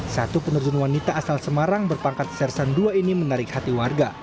satu penerjun wanita asal semarang berpangkat sersan dua ini menarik hati warga